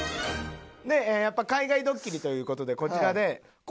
やっぱ海外ドッキリという事でこちらで昴